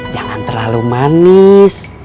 jangan terlalu manis